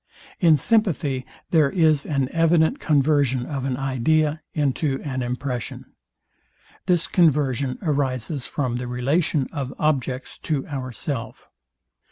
In sympathy there is an evident conversion of an idea into an impression. This conversion arises from the relation of objects to ourself.